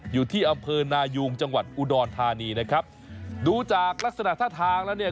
อยู่ที่อำเภอนายุงจังหวัดอุดรธานีนะครับดูจากลักษณะท่าทางแล้วเนี่ย